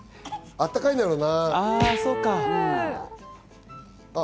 あったかいんだろうな。